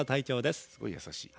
すごい優しい。